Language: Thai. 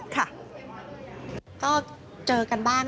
ก็เจอกันบ้าง